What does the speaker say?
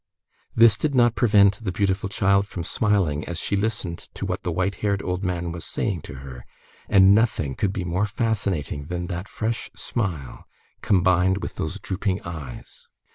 This did not prevent the beautiful child from smiling as she listened to what the white haired old man was saying to her, and nothing could be more fascinating than that fresh smile, combined with those drooping eyes.